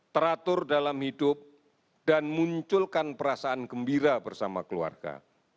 teratur dalam hidup dan munculkan perasaan gembira bersama keluarga